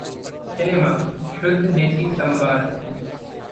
सिनेमा-शुद्ध देसी संवाद